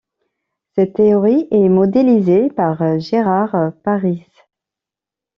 Cette théorie est modélisée par Gérard Parysz.